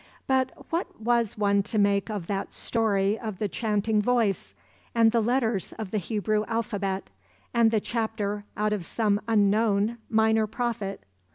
But what was one to make of that story of the chanting voice, and the letters of the Hebrew alphabet, and the chapter out of some unknown Minor Prophet?